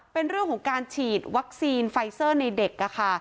เป็นเรื่องของการฉีดวัคซีนไฟเซอร์ในเด็ก